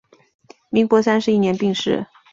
民国三十一年病逝。